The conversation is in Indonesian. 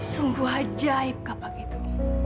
sungguh ajaib kapak itu